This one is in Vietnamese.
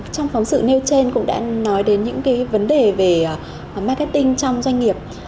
trong phóng sự nêu trên cũng đã nói đến những vấn đề về marketing trong doanh nghiệp